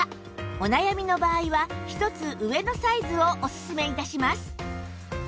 お悩みの場合は一つ上のサイズをおすすめ致します